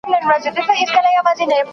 هغه څوک چي قلمان پاکوي منظم وي